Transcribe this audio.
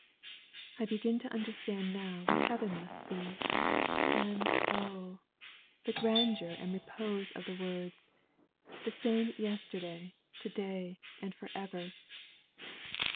"I begin to understand now what heaven must be and, oh! the grandeur and repose of the words 'The same yesterday, to day, and for ever.